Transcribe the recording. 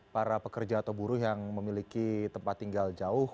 para pekerja atau buruh yang memiliki tempat tinggal jauh